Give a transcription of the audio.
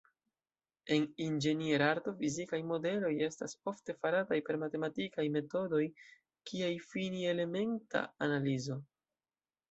En inĝenierarto, fizikaj modeloj estas ofte farataj per matematikaj metodoj kiaj fini-elementa analizo.